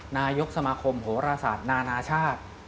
นายกสมาคมโหรศาสตร์นานาชาติ